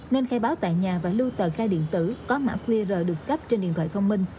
nên khai báo tại nhà và lưu tờ khai điện tử có mã qr được cấp trên điện thoại thông minh